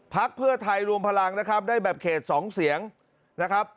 เพื่อไทยรวมพลังนะครับได้แบบเขต๒เสียงนะครับ